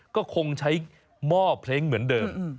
ก็คงใช้หม้อเพลงเหมือนเดิม